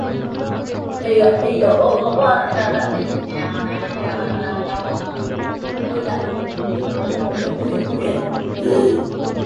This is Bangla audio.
চূড়ান্ত খেলাটি ভারত এবং শ্রীলঙ্কার মধ্যে দুইবার অনুষ্ঠিত হলেও কোন ফলাফল পাওয়া যায়নি।